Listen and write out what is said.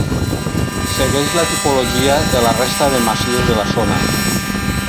Segueix la tipologia de la resta de masies de la zona.